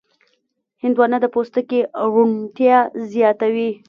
هندوانه د پوستکي روڼتیا زیاتوي.